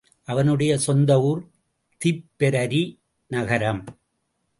அவனுடைய சொந்த ஊர் திப்பெரரி நகரம்.